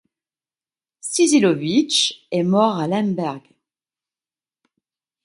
Szyszyłowicz est mort à Lemberg.